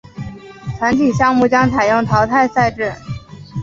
团体项目将采用淘汰赛制。